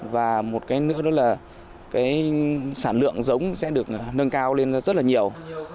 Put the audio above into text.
và một cái nữa nữa là sản lượng giống sẽ được nâng cao lên rất là nhiều